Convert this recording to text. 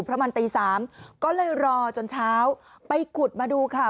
เพราะมันตี๓ก็เลยรอจนเช้าไปขุดมาดูค่ะ